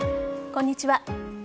こんにちは。